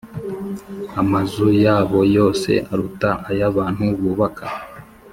Amazu yaho yose aruta ay’abantu bubaka